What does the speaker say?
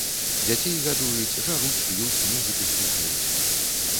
Дзяцей гадуюць, жаруць, п'юць, музыку слухаюць.